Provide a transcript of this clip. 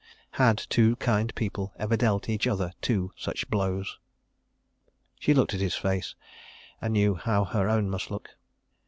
... Had two kind people ever dealt each other two such blows? She looked at his face, and knew how her own must look.